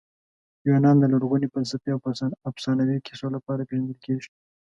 یونان د لرغوني فلسفې او افسانوي کیسو لپاره پېژندل کیږي.